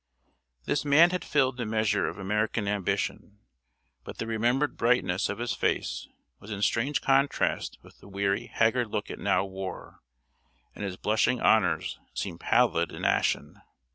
This man had filled the measure of American ambition, but the remembered brightness of his face was in strange contrast with the weary, haggard look it now wore, and his blushing honors seemed pallid and ashen.